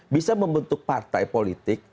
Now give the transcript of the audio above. bisa membentuk partai politik